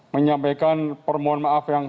menyampaikan permohon maaf yang